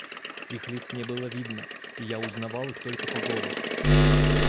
Их лиц не было видно, и я узнавал их только по голосу.